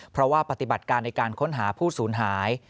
เพราะว่าปฏิบัติการในการค้นหาผู้สูญหาย